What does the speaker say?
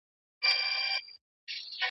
انسان نسي کولای یوازې ژوند وکړي.